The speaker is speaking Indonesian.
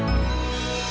terima kasih pak